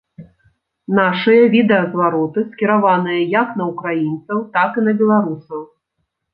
Нашыя відэазвароты скіраваныя як на украінцаў так і на беларусаў.